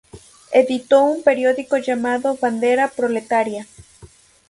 Editó un periódico llamado "Bandera Proletaria".